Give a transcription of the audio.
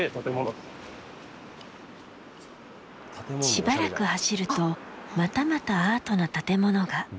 しばらく走ると、またまたアートな建物が。